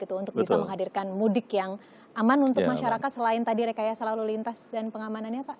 untuk bisa menghadirkan mudik yang aman untuk masyarakat selain tadi rekayasa lalu lintas dan pengamanannya pak